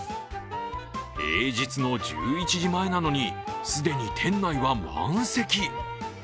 平日の１１時前なのに、既に店内は満席。